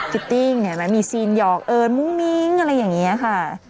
ิตติ้งเห็นไหมมีซีนหยอกเอิญมุ้งมิ้งอะไรอย่างนี้ค่ะ